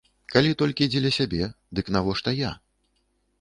Калі толькі дзеля сябе, дык навошта я?